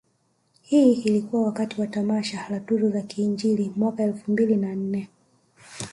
Hii ilikuwa wakati wa tamasha la tuzo za kiinjili mwaka elfu mbili na nne